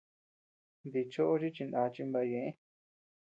Dichoʼo chi chinaa chimbaʼa ñëʼe.